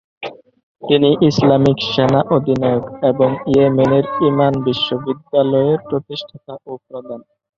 তিনি ইসলামিক সেনা-অধিনায়ক এবং ইয়েমেনের ঈমান বিশ্ববিদ্যালয়ের প্রতিষ্ঠাতা ও প্রধান।